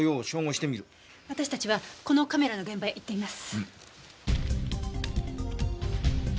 私たちはこのカメラの現場へ行ってみます。